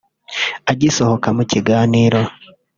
Agisohoka mu kiganiro